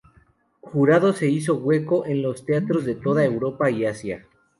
Jurado se hizo hueco en los teatros de toda Europa y Asia.